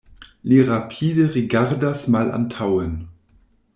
Li rapide rigardas malantaŭen.